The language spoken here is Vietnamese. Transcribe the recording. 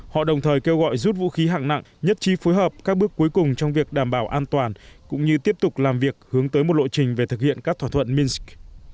họ đồng thời kêu gọi rút vũ khí hạng nặng nhất trí phối hợp các bước cuối cùng trong việc đảm bảo an toàn cũng như tiếp tục làm việc hướng tới một lộ trình về thực hiện các thỏa thuận minsk